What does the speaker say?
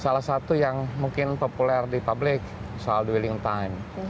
salah satu yang mungkin populer di publik soal dwelling time